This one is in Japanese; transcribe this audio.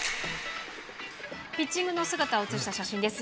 ピッチングの姿を写した写真です。